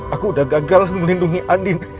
aku udah gagal melindungi andin